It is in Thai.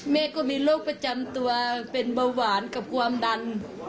แม่ก็มีโรคประจำตัวเป็นเบาหวานกับความดัน